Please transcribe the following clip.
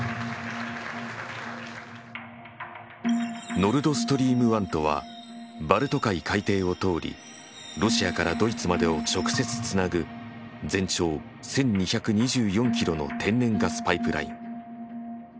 「ノルドストリーム１」とはバルト海海底を通りロシアからドイツまでを直接つなぐ全長１，２２４キロの天然ガスパイプライン。